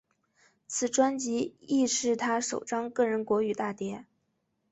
此专辑亦是他首张个人国语大碟。